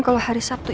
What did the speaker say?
kalau hari sabtu itu